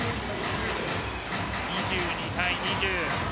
２２対２０。